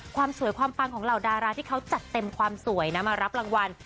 ความสวยความปังของเหล่าดาราที่เขาจัดเต็มความสวยนะมารับรางวัล